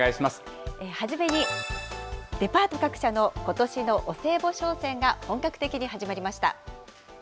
初めに、デパート各社のことしのお歳暮商戦が本格的に始まりました。